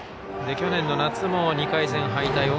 去年の夏も２回戦敗退。